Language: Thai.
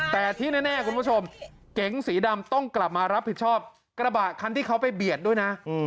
แต่ที่แน่คุณผู้ชมเก๋งสีดำต้องกลับมารับผิดชอบกระบะคันที่เขาไปเบียดด้วยนะ